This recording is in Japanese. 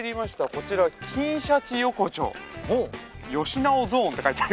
こちら「金シャチ横丁」「義直ゾーン」って書いてありますね。